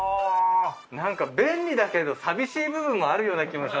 何か便利だけど寂しい部分もあるような気もしますけどね。